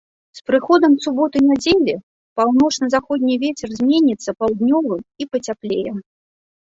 З прыходам суботы-нядзелі паўночна-заходні вецер зменіцца паўднёвым і пацяплее.